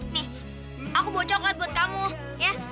nih aku bawa coklat buat kamu ya